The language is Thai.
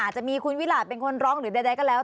จะมีคุณวิราชเป็นคนร้องหรือใดก็แล้ว